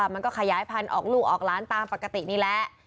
มันก็ขยายพันธุ์ออกลูกออกหลานตามปกตินี่แหละ